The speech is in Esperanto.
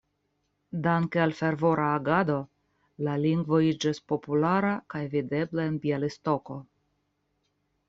Danke al fervora agado la lingvo iĝis populara kaj videbla en Bjalistoko.